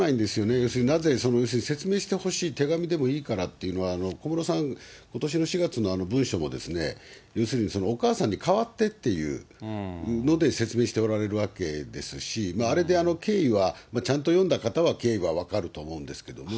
要するに、なぜ、説明してほしい、手紙でもいいからっていうのは、小室さん、ことしの４月の文書も、要するに、お母さんに代わってっていう説明しておられるわけですし、あれで経緯は、ちゃんと読んだ方は経緯は分かると思うんですけども。